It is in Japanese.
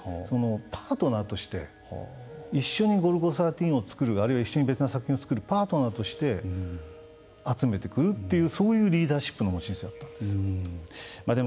パートナーとして一緒に「ゴルゴ１３」を作るあるいは別の作品を作るパートナーとして集めてくるというそういうリーダーシップの持ち主だったんです。